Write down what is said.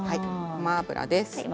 ごま油です。